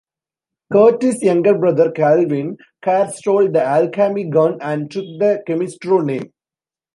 Curtis' younger brother Calvin Carr stole the alchemy gun and took the Chemistro name.